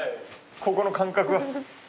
ここの感覚が。